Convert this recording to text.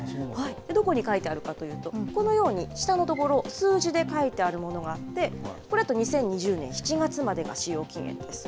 どこに書いてあるかというと、このように、下の所、数字で書いてあるものがあって、これだと２０２０年７月までが使用期限です。